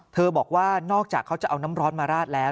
บอกว่านอกจากเขาจะเอาน้ำร้อนมาราดแล้ว